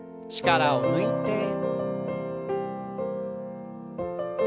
力を抜いて。